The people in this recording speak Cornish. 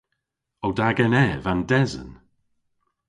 O da genev an desen?